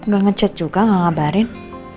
gak ngechat juga gak ngabarin